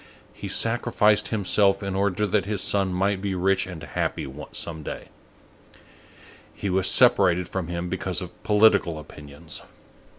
He sacrificed himself in order that his son might be rich and happy some day. He was separated from him because of political opinions.